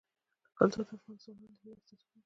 کلتور د افغان ځوانانو د هیلو استازیتوب کوي.